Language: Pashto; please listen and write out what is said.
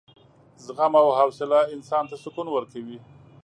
زغم او حوصله انسان ته سکون ورکوي.